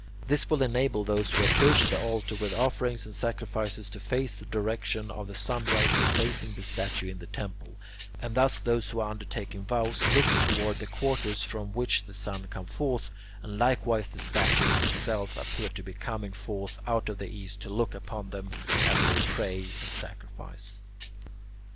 This will enable those who approach the altar with offerings or sacrifices to face the direction of the sunrise in facing the statue in the temple, and thus those who are undertaking vows look toward the quarter from which the sun comes forth, and likewise the statues themselves appear to be coming forth out of the east to look upon them as they pray and sacrifice.